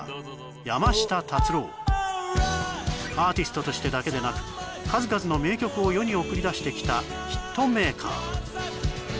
アーティストとしてだけでなく数々の名曲を世に送り出してきたヒットメーカー